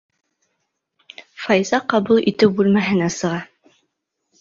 Файза ҡабул итеү бүлмәһенә сыға.